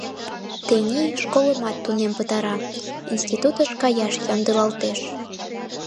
Тений школымат тунем пытара, институтыш каяш ямдылалтеш.